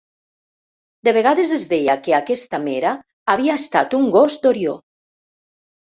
De vegades es deia que aquesta Mera havia estat un gos d'Orió.